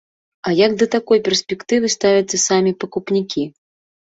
А як да такой перспектывы ставяцца самі пакупнікі?